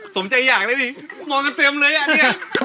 สมใจอย่างไรนี่มองกันเตรียมเลยอ่ะนี่